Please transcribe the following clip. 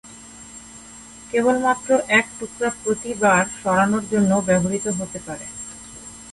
কেবলমাত্র এক টুকরা প্রতি বার সরানোর জন্য ব্যবহৃত হতে পারে।